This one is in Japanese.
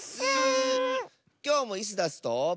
きょうもイスダスと。